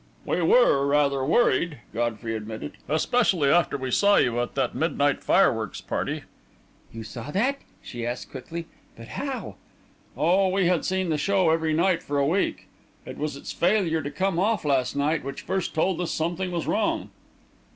"We were rather worried," Godfrey admitted; "especially after we saw you at that midnight fireworks party." "You saw that?" she asked quickly; "but how...." "Oh, we had seen the show every night for a week. It was its failure to come off last night which first told us something was wrong."